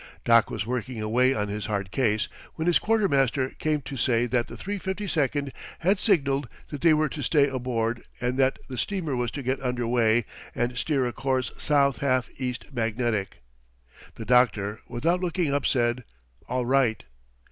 Doc was working away on his hard case when his quartermaster came to say that the 352 had signalled that they were to stay aboard and that the steamer was to get under way and steer a course south half east magnetic. The doctor, without looking up, said: "All right."